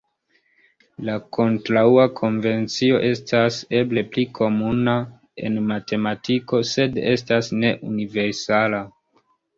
La kontraŭa konvencio estas eble pli komuna en matematiko sed estas ne universala.